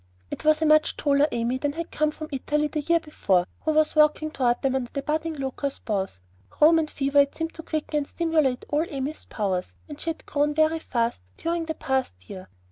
It was a much taller Amy than had come home from Italy the year before who was walking toward them under the budding locust boughs. Roman fever had seemed to quicken and stimulate all Amy's powers, and she had grown very fast during the past year.